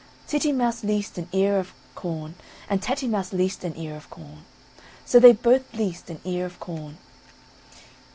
Titty Mouse leased an ear of corn, and Tatty Mouse leased an ear of corn, So they both leased an ear of corn.